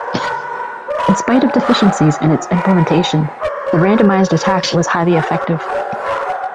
In spite of deficiencies in its implementation, the randomized attack was highly effective.